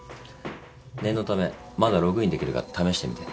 念のためまだログインできるか試してみて。